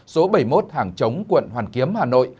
số bảy mươi một hàng chống quận hoàn kiếm hà nội